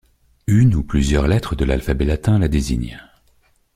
Une ou plusieurs lettres de l'alphabet latin la désigne.